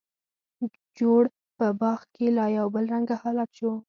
جوړ په باغ کې لا یو بل رنګه حالت شو.